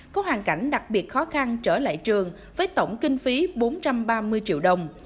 có hoàn cảnh đặc biệt khó khăn trở lại trường với tổng kinh phí bốn trăm ba mươi triệu đồng